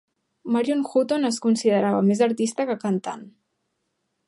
Marion Hutton es considerava més artista que cantant.